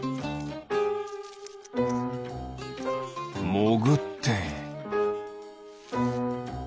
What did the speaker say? もぐって。